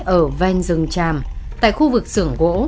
ở ven rừng tràm tại khu vực sưởng gỗ